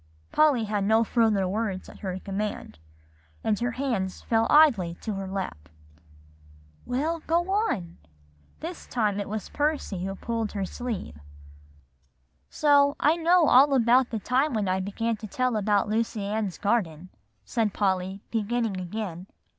Polly had no further words at her command, and her hands fell idly to her lap. "Well, go on." This time it was Percy who pulled her sleeve. "So, I know all about the time when I began to tell about Lucy Ann's Garden," said Polly, beginning again.